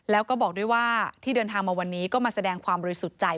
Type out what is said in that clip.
แล้วก็บอกด้วยว่าที่เดินทางมาวันนี้ก็มาแสดงความบริสุทธิ์ใจ